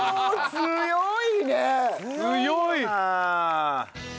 強い！